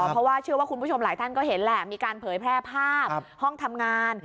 เพราะว่าเชื่อว่าคุณผู้ชมหลายท่านก็เห็นแหละมีการเผยแพร่ภาพห้องทำงาน